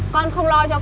con không lo lắng